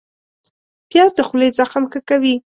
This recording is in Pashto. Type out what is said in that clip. پیاز د خولې زخم ښه کوي